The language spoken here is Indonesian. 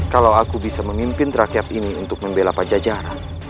kalau aku bisa memimpin rakyat ini untuk membela pajajaran